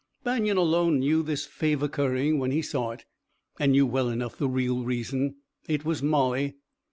Banion alone knew this favor currying when he saw it, and knew well enough the real reason. It was Molly!